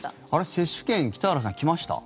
接種券北原さん来ました？